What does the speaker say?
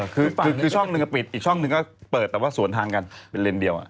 คือช่องหนึ่งก็ปิดอีกช่องหนึ่งก็เปิดแต่ว่าสวนทางกันเป็นเลนส์เดียว